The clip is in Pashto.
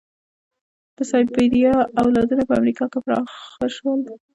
د سایبریا اولادونه په امریکا کې پراخه شول.